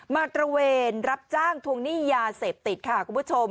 ตระเวนรับจ้างทวงหนี้ยาเสพติดค่ะคุณผู้ชม